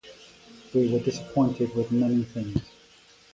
We were disappointed with many things.